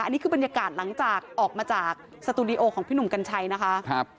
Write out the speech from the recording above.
อันนี้คือบรรยากาศหลังจากออกมาจากสตูดิโอของพี่หนุ่มกัญชัยนะคะ